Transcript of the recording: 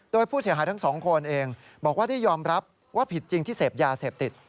โดยผู้เสียหายทั้งสองคนเองบอกว่าได้ยอมรับว่าผิดจริงที่เสพยาเสพติด